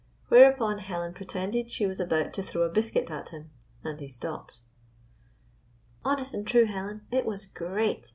Whereupon Helen pretended she was about to throw a biscuit at him and he stopped. " Honest and true, Helen, it was great.